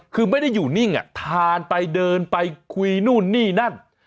คือไม่ได้อยู่นิ่งทานไปเดินไปคุยนู่นนี่นั่น